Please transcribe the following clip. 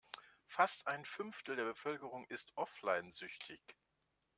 Fast ein Fünftel der Bevölkerung ist offline-süchtig.